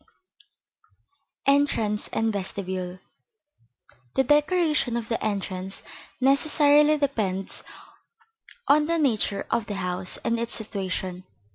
VIII ENTRANCE AND VESTIBULE The decoration of the entrance necessarily depends on the nature of the house and its situation.